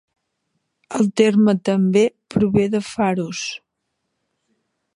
El terme també prové de "Pharos".